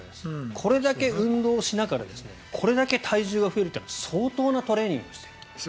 これだけ運動しながらこれだけ体重が増えるっていうのは相当なトレーニングをしていると。